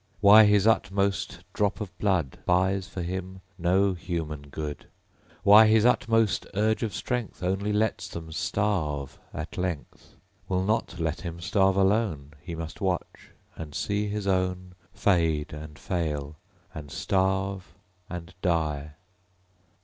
Why his utmost drop of blood Buys for him no human good; Why his utmost urge of strength Only lets Them starve at length; Will not let him starve alone; He must watch, and see his own Fade and fail, and starve, and die.